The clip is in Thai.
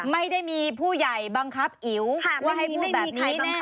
ไม่ได้มีผู้ใหญ่บังคับอิ๋วว่าให้พูดแบบนี้แน่